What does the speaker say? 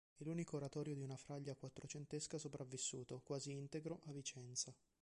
È l'unico oratorio di una fraglia quattrocentesca sopravvissuto, quasi integro, a Vicenza.